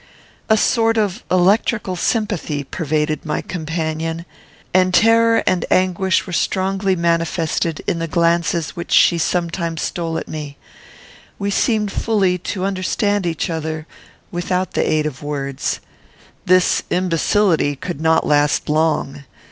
A sort of electrical sympathy pervaded my companion, and terror and anguish were strongly manifested in the glances which she sometimes stole at me. We seemed fully to understand each other without the aid of words. This imbecility could not last long.